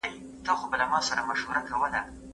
اوس که زه ساده نهیم، نو دا ولې؟